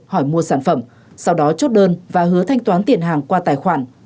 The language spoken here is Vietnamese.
hỏi mua sản phẩm sau đó chốt đơn và hứa thanh toán tiền hàng qua tài khoản